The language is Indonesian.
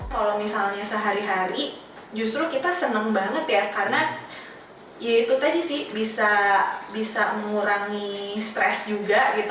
kalau misalnya sehari hari justru kita seneng banget ya karena ya itu tadi sih bisa mengurangi stres juga gitu